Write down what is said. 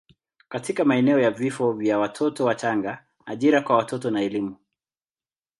katika maeneo ya vifo vya watoto wachanga, ajira kwa watoto na elimu.